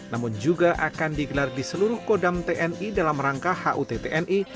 namun juga akan digelar di seluruh kodam tni dalam rangka hut tni